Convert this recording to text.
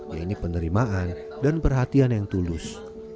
yaitu penerimaan dan perhatian yang tulus